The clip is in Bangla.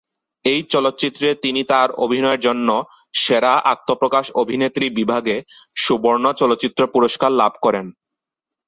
এই চলচ্চিত্রে তিনি তাঁর অভিনয়ের জন্য "সেরা আত্মপ্রকাশ অভিনেত্রী" বিভাগে সুবর্ণ চলচ্চিত্র পুরস্কার লাভ করেন।